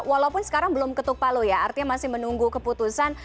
walaupun sekarang belum ketuk palu ya artinya masih menunggu keputusan